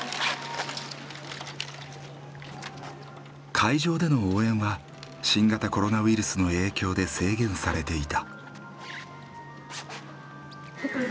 会場での応援は新型コロナウイルスの影響で制限されていた。